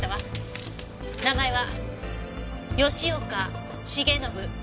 名前は吉岡繁信。